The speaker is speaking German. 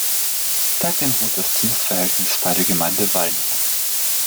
Seitdem ruht das Dienstverhältnis bei der Gemeinde Wallenhorst.